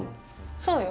そうよ。